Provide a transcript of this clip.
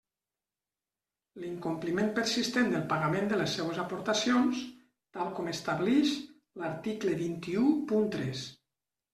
L'incompliment persistent del pagament de les seues aportacions, tal com establix l'article vint-i-u punt tres.